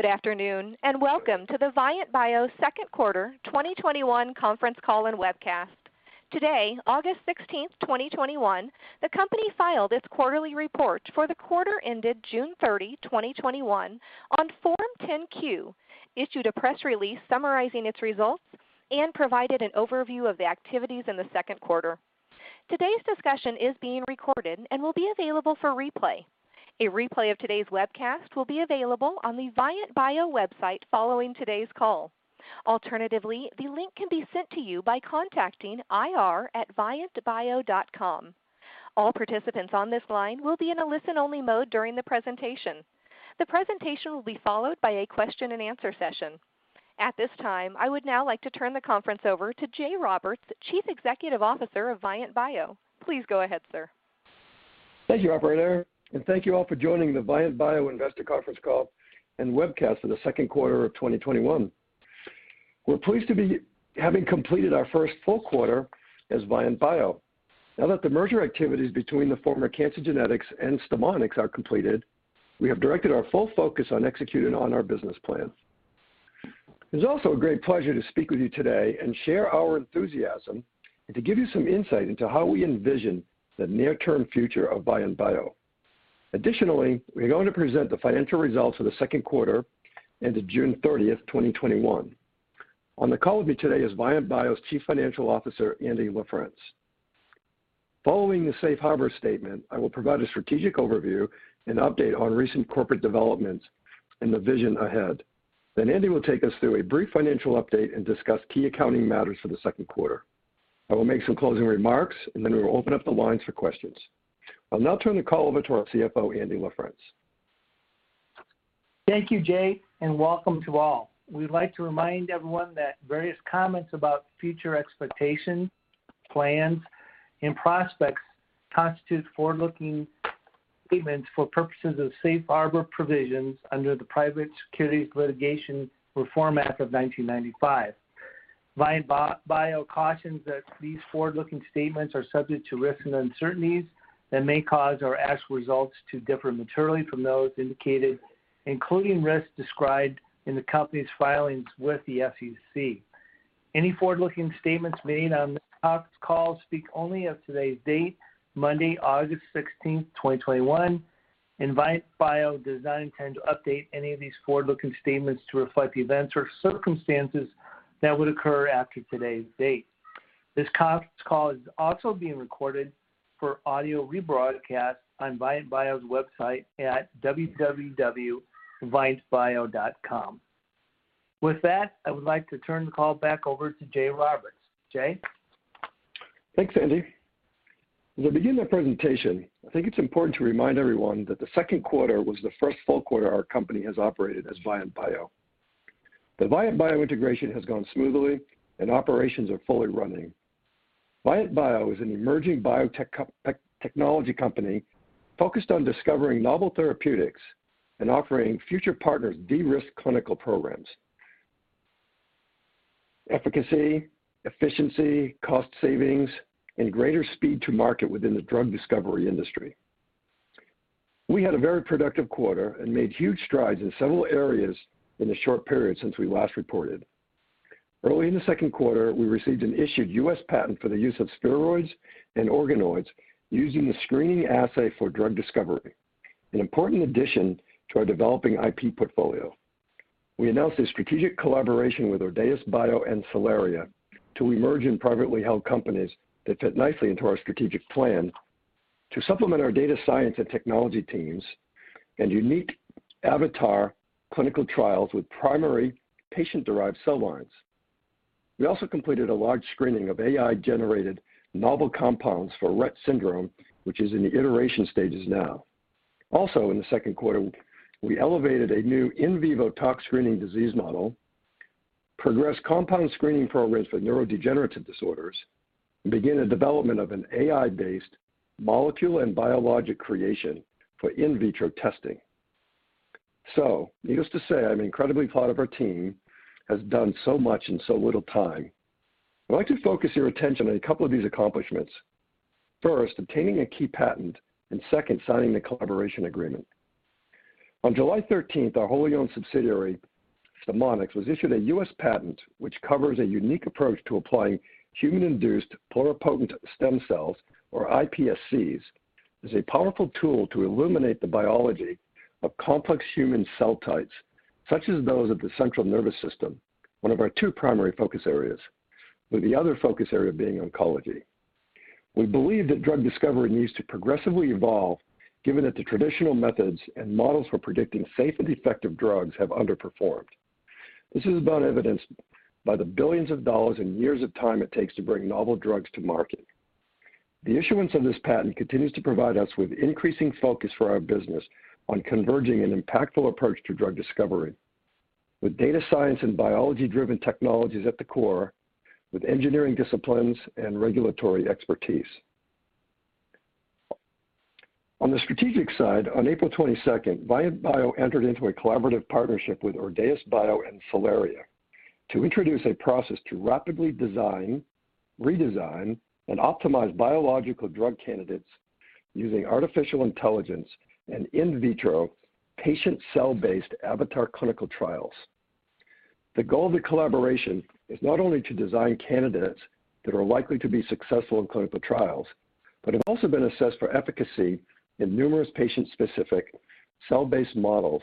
Good afternoon. Welcome to the Vyant Bio second quarter 2021 conference call and webcast. Today, August 16th, 2021, the company filed its quarterly report for the quarter ended June 30, 2021, on Form 10-Q, issued a press release summarizing its results, and provided an overview of the activities in the second quarter. Today's discussion is being recorded and will be available for replay. A replay of today's webcast will be available on the Vyant Bio website following today's call. Alternatively, the link can be sent to you by contacting ir@vyantbio.com. All participants on this line will be in a listen-only mode during the presentation. The presentation will be followed by a question-and-answer session. At this time, I would now like to turn the conference over to Jay Roberts, Chief Executive Officer of Vyant Bio. Please go ahead, sir. Thank you, operator, and thank you all for joining the Vyant Bio Investor Conference Call and Webcast for the second quarter of 2021. We're pleased to be having completed our first full quarter as Vyant Bio. Now that the merger activities between the former Cancer Genetics and StemoniX are completed, we have directed our full focus on executing on our business plan. It's also a great pleasure to speak with you today and share our enthusiasm, and to give you some insight into how we envision the near-term future of Vyant Bio. Additionally, we are going to present the financial results for the second quarter ended June 30th, 2021. On the call with me today is Vyant Bio's Chief Financial Officer, Andy LaFrence. Following the safe harbor statement, I will provide a strategic overview and update on recent corporate developments and the vision ahead. Andrew LaFrence will take us through a brief financial update and discuss key accounting matters for the second quarter. I will make some closing remarks, and then we will open up the lines for questions. I'll now turn the call over to our CFO, Andy LaFrence. Thank you, Jay, and welcome to all. We'd like to remind everyone that various comments about future expectations, plans, and prospects constitute forward-looking statements for purposes of safe harbor provisions under the Private Securities Litigation Reform Act of 1995. Vyant Bio cautions that these forward-looking statements are subject to risks and uncertainties that may cause our actual results to differ materially from those indicated, including risks described in the company's filings with the SEC. Any forward-looking statements made on this conference call speak only of today's date, Monday, August 16th, 2021, and Vyant Bio does not intend to update any of these forward-looking statements to reflect the events or circumstances that would occur after today's date. This conference call is also being recorded for audio rebroadcast on Vyant Bio's website at www.vyantbio.com. With that, I would like to turn the call back over to Jay Roberts. Jay? Thanks, Andy. As I begin the presentation, I think it's important to remind everyone that the second quarter was the first full quarter our company has operated as Vyant Bio. The Vyant Bio integration has gone smoothly, and operations are fully running. Vyant Bio is an emerging biotech technology company focused on discovering novel therapeutics and offering future partners de-risked clinical programs, efficacy, efficiency, cost savings, and greater speed to market within the drug discovery industry. We had a very productive quarter and made huge strides in several areas in the short period since we last reported. Early in the second quarter, we received an issued U.S. patent for the use of steroids and organoids using the screening assay for drug discovery, an important addition to our developing IP portfolio. We announced a strategic collaboration with Ordaōs Bio and Cellaria, two emerging privately held companies that fit nicely into our strategic plan to supplement our data science and technology teams and unique avatar clinical trials with primary patient-derived cell lines. We also completed a large screening of AI-generated novel compounds for Rett syndrome, which is in the iteration stages now. Also in the second quarter, we elevated a new in vivo tox screening disease model, progressed compound screening programs for neurodegenerative disorders, and began the development of an AI-based molecule and biologic creation for in vitro testing. Needless to say, I'm incredibly proud of our team, has done so much in so little time. I'd like to focus your attention on a couple of these accomplishments. First, obtaining a key patent, and second, signing the collaboration agreement. On July 13th, our wholly owned subsidiary, StemoniX, was issued a U.S. patent which covers a unique approach to applying human induced pluripotent stem cells, or iPSCs, as a powerful tool to illuminate the biology of complex human cell types, such as those of the central nervous system, one of our two primary focus areas, with the other focus area being oncology. We believe that drug discovery needs to progressively evolve, given that the traditional methods and models for predicting safe and effective drugs have underperformed. This is evidenced by the billions of dollars and years of time it takes to bring novel drugs to market. The issuance of this patent continues to provide us with increasing focus for our business on converging an impactful approach to drug discovery with data science and biology-driven technologies at the core, with engineering disciplines and regulatory expertise. On the strategic side, on April 22nd, Vyant Bio entered into a collaborative partnership with Ordaōs Bio and Cellaria to introduce a process to rapidly design, redesign, and optimize biological drug candidates using artificial intelligence and in vitro patient cell-based avatar clinical trials. The goal of the collaboration is not only to design candidates that are likely to be successful in clinical trials, but have also been assessed for efficacy in numerous patient-specific cell-based models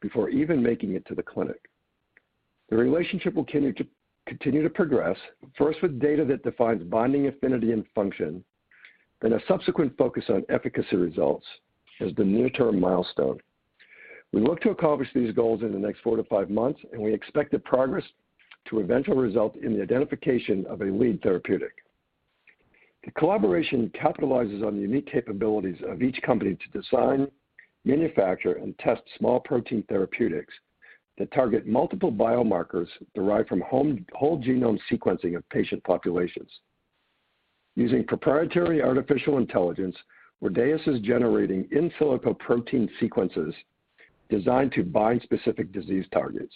before even making it to the clinic. The relationship will continue to progress, first with data that defines binding affinity and function, then a subsequent focus on efficacy results as the near-term milestone. We look to accomplish these goals in the next four to five months, we expect the progress to eventually result in the identification of a lead therapeutic. The collaboration capitalizes on the unique capabilities of each company to design, manufacture, and test small protein therapeutics that target multiple biomarkers derived from whole genome sequencing of patient populations. Using proprietary artificial intelligence, Ordaōs is generating in silico protein sequences designed to bind specific disease targets.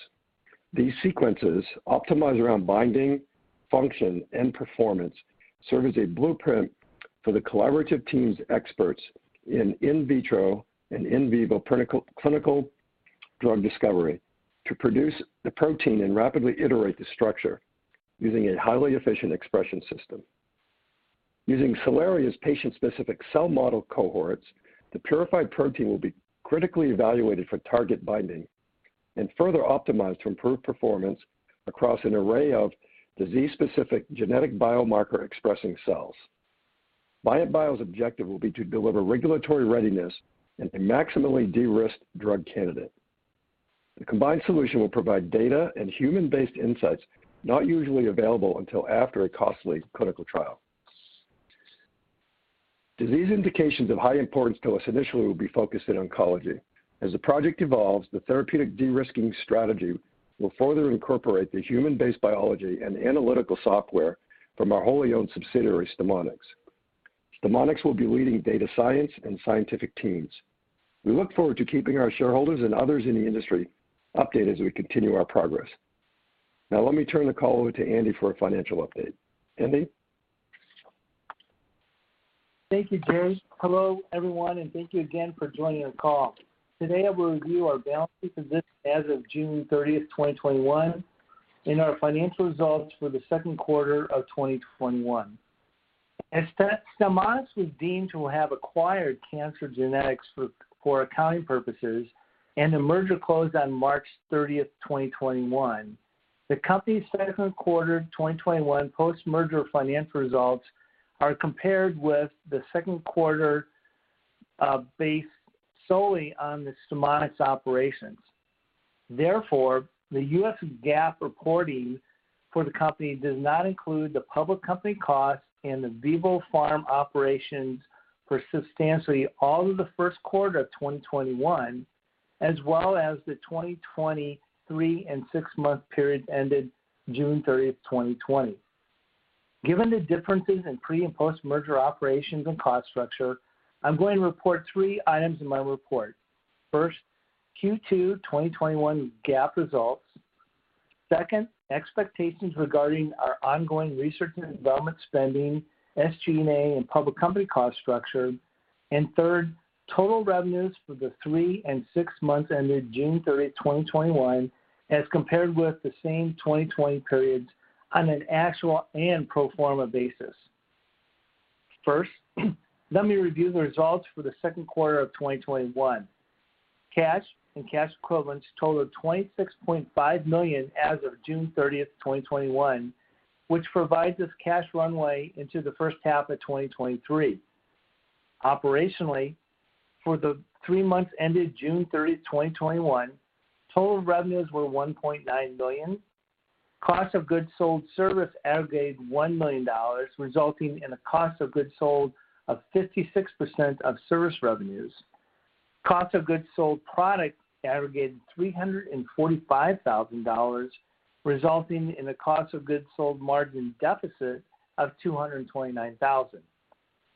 These sequences, optimized around binding, function, and performance, serve as a blueprint for the collaborative team's experts in in vitro and in vivo clinical drug discovery to produce the protein and rapidly iterate the structure using a highly efficient expression system. Using Cellaria's patient-specific cell model cohorts, the purified protein will be critically evaluated for target binding and further optimized to improve performance across an array of disease-specific genetic biomarker-expressing cells. Vyant Bio's objective will be to deliver regulatory readiness and a maximally de-risked drug candidate. The combined solution will provide data and human-based insights not usually available until after a costly clinical trial. Disease indications of high importance to us initially will be focused in oncology. As the project evolves, the therapeutic de-risking strategy will further incorporate the human-based biology and analytical software from our wholly owned subsidiary, StemoniX. StemoniX will be leading data science and scientific teams. We look forward to keeping our shareholders and others in the industry updated as we continue our progress. Now, let me turn the call over to Andy for a financial update. Andy? Thank you, Jay. Hello, everyone, and thank you again for joining our call. Today, I will review our balance sheet position as of June 30th, 2021, and our financial results for the second quarter of 2021. As StemoniX was deemed to have acquired Cancer Genetics for accounting purposes and the merger closed on March 30th, 2021, the company's second quarter 2021 post-merger financial results are compared with the second quarter based solely on the StemoniX operations. Therefore, the US GAAP reporting for the company does not include the public company costs and the vivoPharm operations for substantially all of the first quarter of 2021, as well as the three and six-month period ended June 30th, 2020. Given the differences in pre and post-merger operations and cost structure, I'm going to report three items in my report. First, Q2 2021 GAAP results. Second, expectations regarding our ongoing research and development spending, SG&A, and third, total revenues for the three and six months ended June 30, 2021, as compared with the same 2020 periods on an actual and pro forma basis. First, let me review the results for the second quarter of 2021. Cash and cash equivalents totaled $26.5 million as of June 30th, 2021, which provides us cash runway into the first half of 2023. Operationally, for the three months ended June 30, 2021, total revenues were $1.9 million. Cost of goods sold service aggregated $1 million, resulting in a cost of goods sold of 56% of service revenues. Cost of goods sold product aggregated $345,000, resulting in a cost of goods sold margin deficit of $229,000.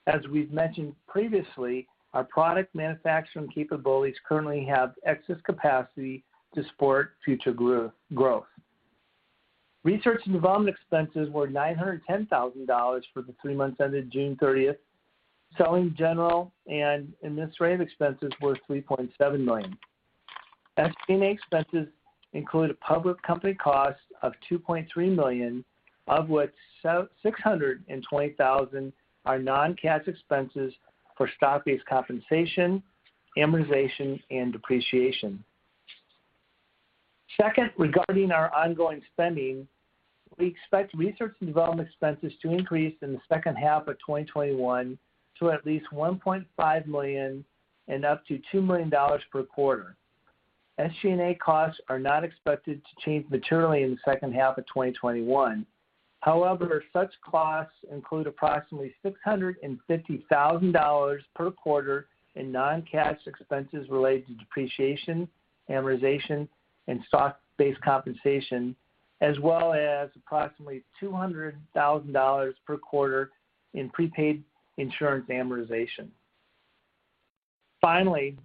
As we've mentioned previously, our product manufacturing capabilities currently have excess capacity to support future growth. Research and development expenses were $910,000 for the three months ended June 30th. Selling, general, and administrative expenses were $3.7 million. SG&A expenses include a public company cost of $2.3 million, of which $620,000 are non-cash expenses for stock-based compensation, amortization, and depreciation. Second, regarding our ongoing spending, we expect research and development expenses to increase in the second half of 2021 to at least $1.5 million and up to $2 million per quarter. SG&A costs are not expected to change materially in the second half of 2021. However, such costs include approximately $650,000 per quarter in non-cash expenses related to depreciation, amortization, and stock-based compensation, as well as approximately $200,000 per quarter in prepaid insurance amortization. Finally,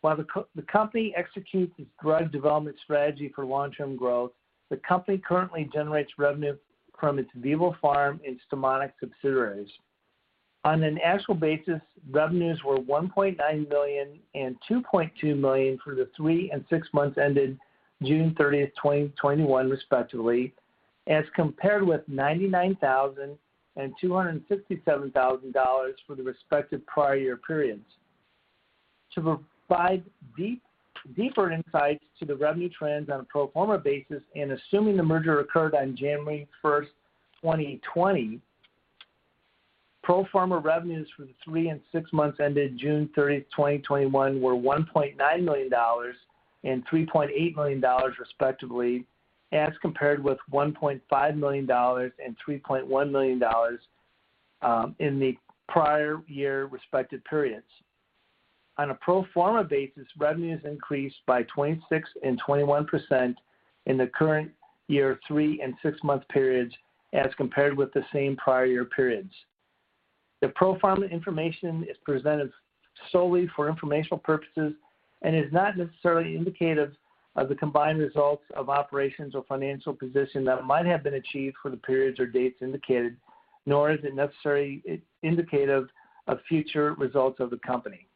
while the company executes its drug development strategy for long-term growth, the company currently generates revenue from its vivoPharm and StemoniX subsidiaries. On an annual basis, revenues were $1.9 million and $2.2 million for the three and six months ended June 30th, 2021, respectively, as compared with $99,000 and $257,000 for the respective prior year periods. To provide deeper insights to the revenue trends on a pro forma basis and assuming the merger occurred on January 1st, 2020, pro forma revenues for the three and six months ended June 30th, 2021, were $1.9 million and $3.8 million respectively, as compared with $1.5 million and $3.1 million in the prior year respective periods. On a pro forma basis, revenues increased by 26% and 21% in the current year three and six-month periods as compared with the same prior year periods. The pro forma information is presented solely for informational purposes and is not necessarily indicative of the combined results of operations or financial position that might have been achieved for the periods or dates indicated, nor is it necessarily indicative of future results of the company.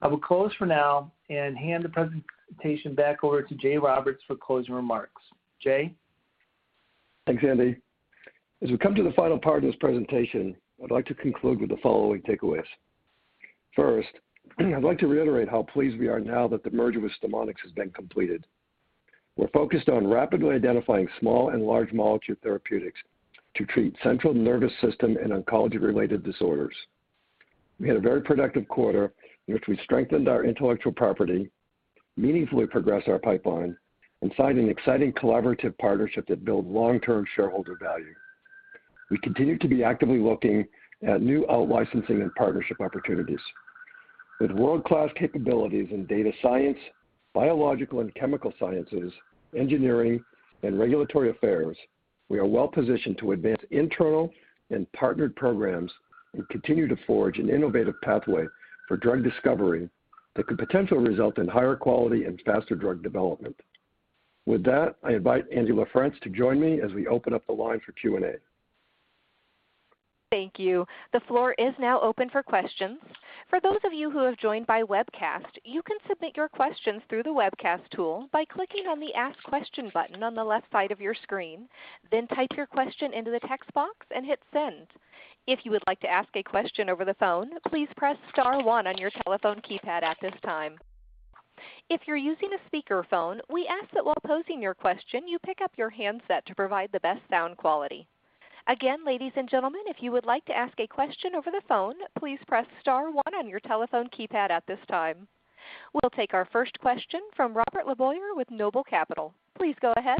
I will close for now and hand the presentation back over to Jay Roberts for closing remarks. Jay? Thanks, Andy. As we come to the final part of this presentation, I'd like to conclude with the following takeaways. First, I'd like to reiterate how pleased we are now that the merger with StemoniX has been completed. We're focused on rapidly identifying small and large molecule therapeutics to treat central nervous system and oncology-related disorders. We had a very productive quarter in which we strengthened our intellectual property, meaningfully progressed our pipeline, and signed an exciting collaborative partnership that build long-term shareholder value. We continue to be actively looking at new out-licensing and partnership opportunities. With world-class capabilities in data science, biological and chemical sciences, engineering, and regulatory affairs, we are well positioned to advance internal and partnered programs and continue to forge an innovative pathway for drug discovery that could potentially result in higher quality and faster drug development. With that, I invite Andy LaFrence to join me as we open up the line for Q&A. Thank you. The floor is now open for questions. For those of you who have joined by webcast, you can submit your questions through the webcast tool by clicking on the Ask Question button on the left side of your screen, then type your question into the text box and hit Send. If you would like to ask a question over the phone, please press star one on your telephone keypad at this time. If you're using a speakerphone, we ask that while posing your question, you pick up your handset to provide the best sound quality. Again, ladies and gentlemen, if you would like to ask a question over the phone, please press star one on your telephone keypad at this time. We'll take our first question from Robert LeBoyer with Noble Capital. Please go ahead.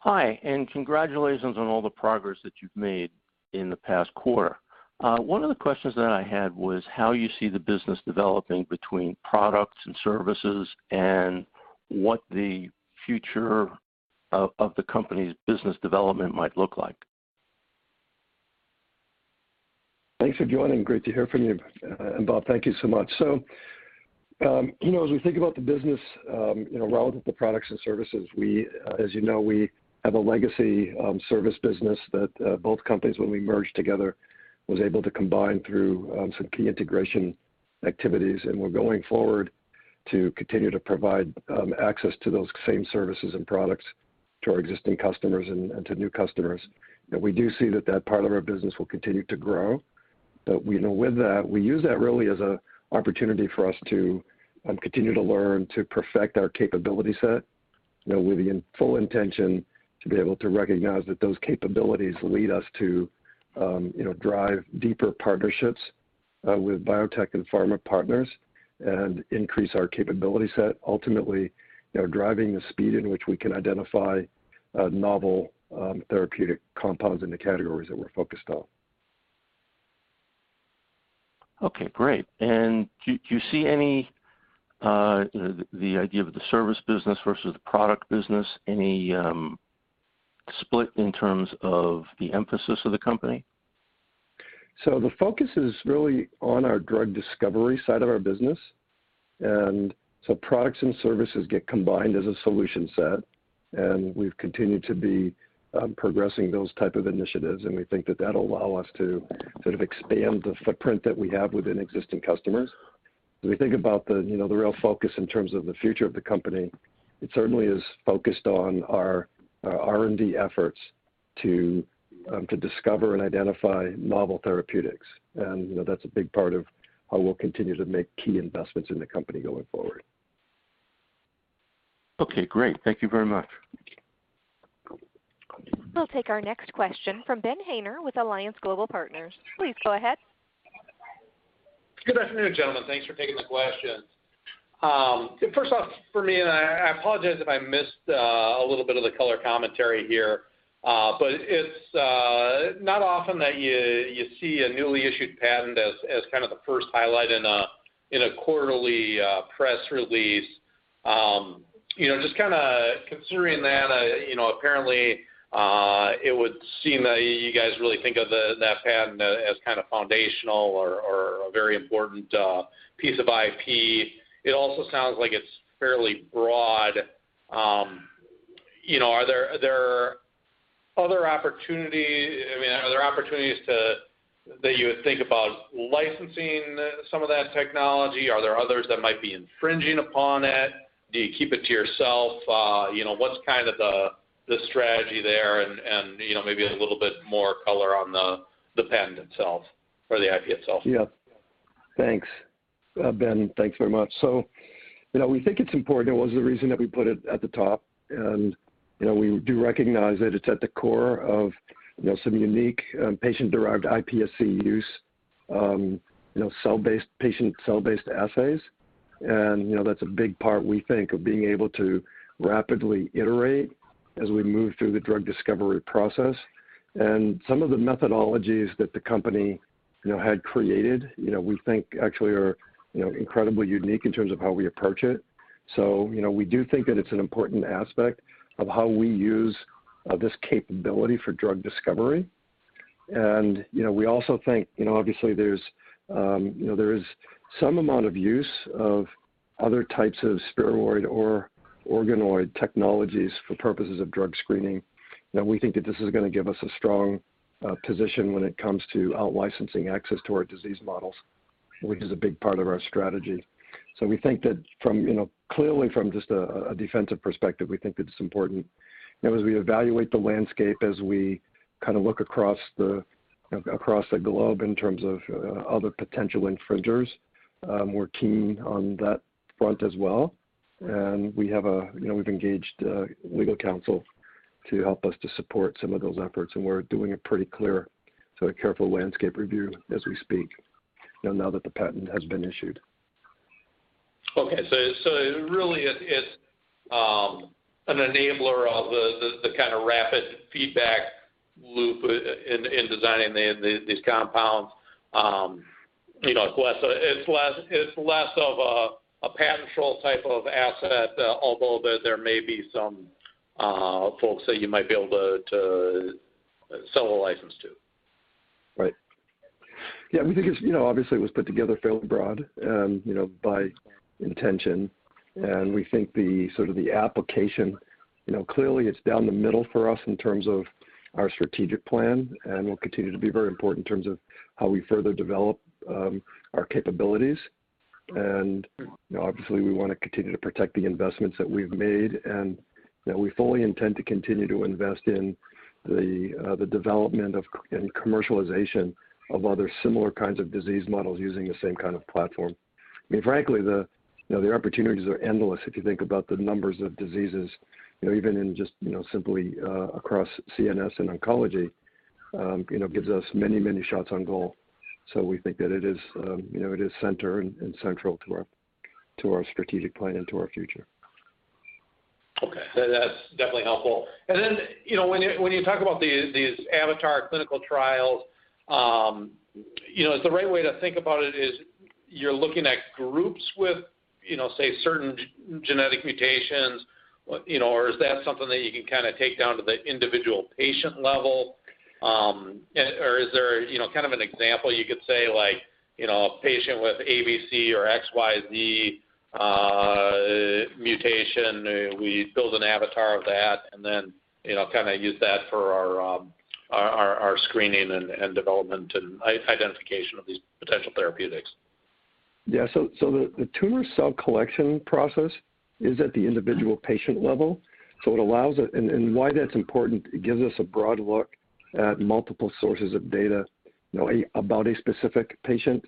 Hi, congratulations on all the progress that you've made in the past quarter. One of the questions that I had was how you see the business developing between products and services and what the future of the company's business development might look like. Thanks for joining. Great to hear from you. Bob, thank you so much. As we think about the business relative to products and services, as you know, we have a legacy service business that both companies, when we merged together, was able to combine through some key integration activities. We're going forward to continue to provide access to those same services and products to our existing customers and to new customers. We do see that that part of our business will continue to grow. With that, we use that really as an opportunity for us to continue to learn, to perfect our capability set, with the full intention to be able to recognize that those capabilities lead us to drive deeper partnerships with biotech and pharma partners and increase our capability set, ultimately driving the speed in which we can identify novel therapeutic compounds in the categories that we're focused on. Okay, great. Do you see the idea of the service business versus the product business, any split in terms of the emphasis of the company? The focus is really on our drug discovery side of our business. Products and services get combined as a solution set, and we've continued to be progressing those type of initiatives, and we think that that'll allow us to sort of expand the footprint that we have within existing customers. As we think about the real focus in terms of the future of the company, it certainly is focused on our R&D efforts to discover and identify novel therapeutics. That's a big part of how we'll continue to make key investments in the company going forward. Okay, great. Thank you very much. We'll take our next question from Ben Haynor with Alliance Global Partners. Please go ahead. Good afternoon, gentlemen. Thanks for taking the questions. First off for me, I apologize if I missed a little bit of the color commentary here, but it's not often that you see a newly issued patent as kind of the first highlight in a quarterly press release. Just kind of considering that, apparently, it would seem that you guys really think of that patent as kind of foundational or a very important piece of IP. It also sounds like it's fairly broad. Are there other opportunities that you would think about licensing some of that technology? Are there others that might be infringing upon it? Do you keep it to yourself? What's kind of the strategy there and maybe a little bit more color on the patent itself or the IP itself? Yeah. Thanks, Ben. Thanks very much. We think it's important. It was the reason that we put it at the top, and we do recognize that it's at the core of some unique patient-derived iPSC use, patient cell-based assays. That's a big part, we think, of being able to rapidly iterate as we move through the drug discovery process. Some of the methodologies that the company had created, we think actually are incredibly unique in terms of how we approach it. We do think that it's an important aspect of how we use this capability for drug discovery. We also think, obviously there is some amount of use of other types of spheroid or organoid technologies for purposes of drug screening. We think that this is going to give us a strong position when it comes to out-licensing access to our disease models, which is a big part of our strategy. We think that clearly from just a defensive perspective, we think it's important. As we evaluate the landscape, as we kind of look across the globe in terms of other potential infringers, we're keen on that front as well. We've engaged legal counsel to help us to support some of those efforts, and we're doing a pretty clear, careful landscape review as we speak, now that the patent has been issued. Okay. Really, it's an enabler of the kind of rapid feedback loop in designing these compounds. It's less of a patent troll type of asset, although there may be some folks that you might be able to sell a license to. Right. Yeah, we think it obviously was put together fairly broad, and by intention. We think the application, clearly it's down the middle for us in terms of our strategic plan and will continue to be very important in terms of how we further develop our capabilities. Obviously, we want to continue to protect the investments that we've made, and we fully intend to continue to invest in the development and commercialization of other similar kinds of disease models using the same kind of platform. I mean, frankly, the opportunities are endless if you think about the numbers of diseases, even in just simply across CNS and oncology. It gives us many, many shots on goal. We think that it is center and central to our strategic plan and to our future. Okay. That's definitely helpful. When you talk about these avatar clinical trials, is the right way to think about it is you're looking at groups with say certain genetic mutations, or is that something that you can take down to the individual patient level? Is there kind of an example you could say, like, a patient with ABC or XYZ mutation, we build an avatar of that, and then use that for our screening and development and identification of these potential therapeutics? Yeah. The tumor cell collection process is at the individual patient level. Why that's important, it gives us a broad look at multiple sources of data about a specific patient.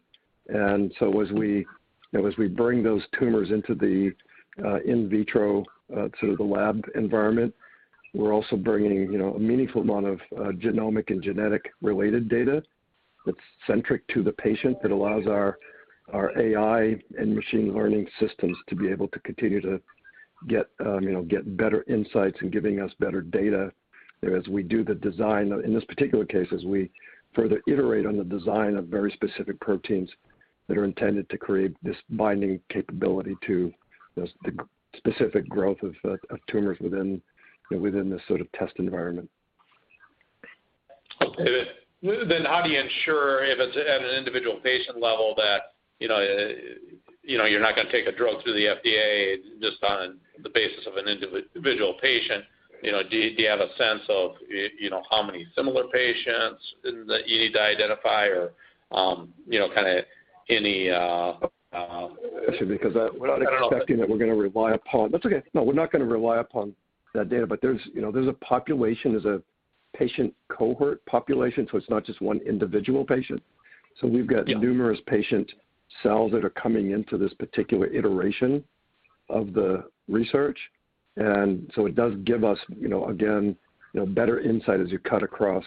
As we bring those tumors into the in vitro lab environment, we're also bringing a meaningful amount of genomic and genetic-related data that's centric to the patient, that allows our AI and machine learning systems to be able to continue to get better insights in giving us better data as we do the design. In this particular case, as we further iterate on the design of very specific proteins that are intended to create this binding capability to the specific growth of tumors within this sort of test environment. Okay. How do you ensure if it's at an individual patient level that you're not going to take a drug through the FDA just on the basis of an individual patient? Do you have a sense of how many similar patients that you need to identify or any? Actually, because we're not expecting that we're going to rely upon. I don't know. That's okay. No, we're not going to rely upon that data. There's a population, there's a patient cohort population, so it's not just one individual patient. Yeah. We've got numerous patient cells that are coming into this particular iteration of the research, and so it does give us, again, better insight as you cut across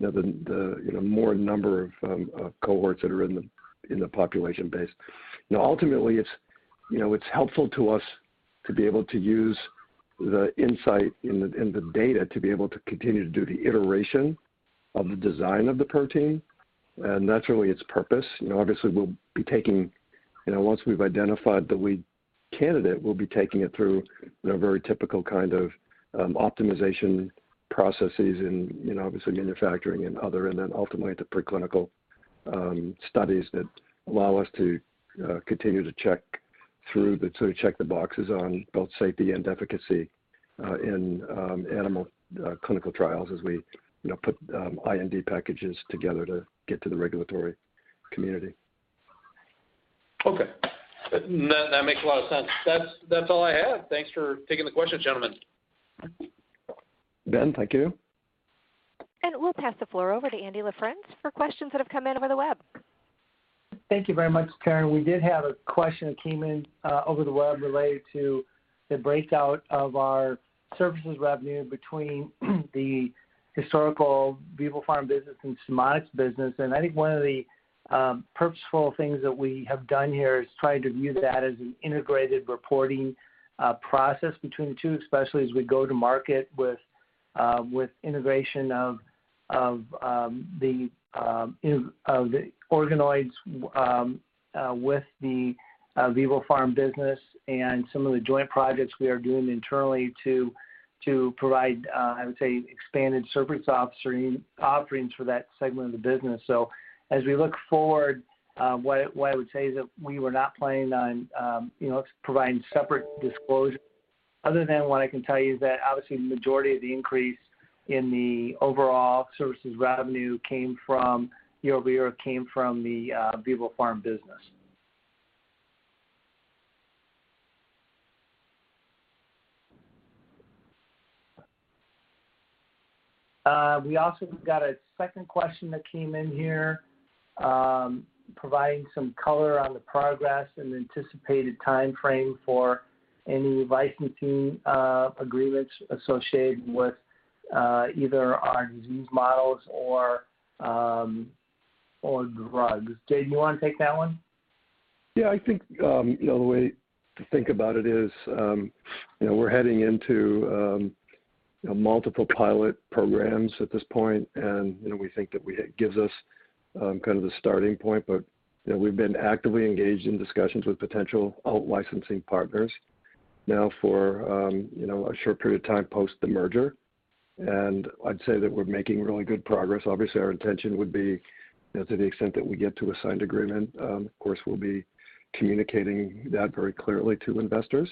the more number of cohorts that are in the population base. Ultimately, it's helpful to us to be able to use the insight in the data to be able to continue to do the iteration of the design of the protein, and that's really its purpose. Obviously, once we've identified the lead candidate, we'll be taking it through the very typical kind of optimization processes and obviously manufacturing and other, and then ultimately the preclinical studies that allow us to continue to check the boxes on both safety and efficacy in animal clinical trials as we put IND packages together to get to the regulatory community. That makes a lot of sense. That's all I have. Thanks for taking the question, gentlemen. Ben, thank you. We'll pass the floor over to Andy LaFrence for questions that have come in over the web. Thank you very much, Karen. We did have a question that came in over the web related to the breakout of our services revenue between the historical vivoPharm business and StemoniX business. I think one of the purposeful things that we have done here is try to view that as an integrated reporting process between the two, especially as we go to market with integration of the organoids with the vivoPharm business and some of the joint projects we are doing internally to provide, I would say, expanded service offerings for that segment of the business. As we look forward, what I would say is that we were not planning on providing separate disclosure other than what I can tell you is that obviously the majority of the increase in the overall services revenue year-over-year came from the vivoPharm business. We also got a second question that came in here providing some color on the progress and anticipated timeframe for any licensing agreements associated with either our disease models or drugs. Jay, do you want to take that one? I think the way to think about it is we're heading into multiple pilot programs at this point, and we think that it gives us kind of the starting point. We've been actively engaged in discussions with potential out-licensing partners now for a short period of time post the merger, and I'd say that we're making really good progress. Obviously, our intention would be, to the extent that we get to a signed agreement, of course, we'll be communicating that very clearly to investors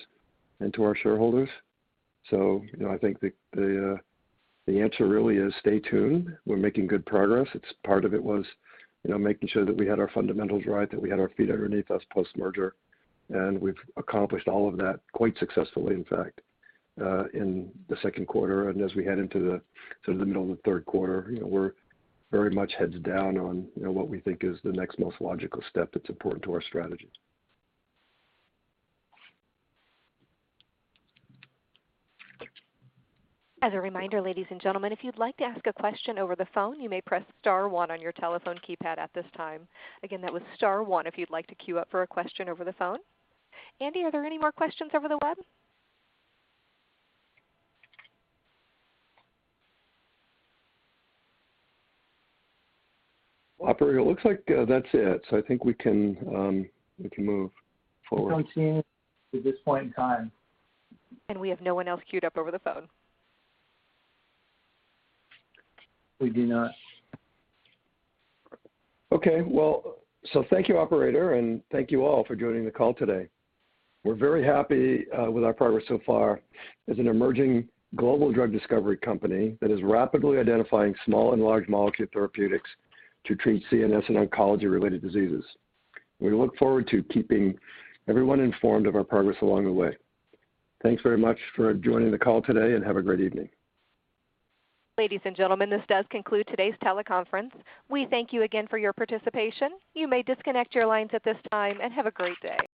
and to our shareholders. I think the answer really is stay tuned. We're making good progress. Part of it was making sure that we had our fundamentals right, that we had our feet underneath us post-merger, and we've accomplished all of that quite successfully, in fact, in the second quarter. As we head into the middle of the third quarter, we're very much heads down on what we think is the next most logical step that's important to our strategy. As a reminder, ladies and gentlemen, if you'd like to ask a question over the phone, you may press star one on your telephone keypad at this time. Again, that was star one if you'd like to queue up for a question over the phone. Andy, are there any more questions over the web? Operator, it looks like that's it. I think we can move forward. We don't see any at this point in time. We have no one else queued up over the phone. We do not. Okay, well, thank you, operator, and thank you all for joining the call today. We're very happy with our progress so far as an emerging global drug discovery company that is rapidly identifying small and large molecule therapeutics to treat CNS and oncology-related diseases. We look forward to keeping everyone informed of our progress along the way. Thanks very much for joining the call today, and have a great evening. Ladies and gentlemen, this does conclude today's teleconference. We thank you again for your participation. You may disconnect your lines at this time, and have a great day.